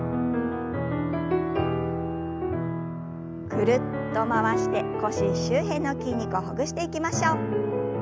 ぐるっと回して腰周辺の筋肉をほぐしていきましょう。